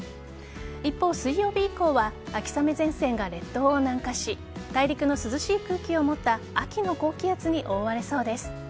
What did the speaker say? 一方、水曜日以降は秋雨前線が列島を南下し大陸の涼しい空気を持った秋の高気圧に覆われそうです。